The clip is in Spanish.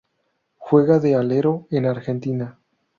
Juega de alero en Argentina.